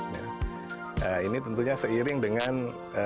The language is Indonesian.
nah ini tentunya seiring dengan